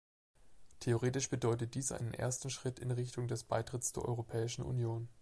Theoretisch bedeutet dies einen ersten Schritt in Richtung des Beitritts zur Europäischen Union.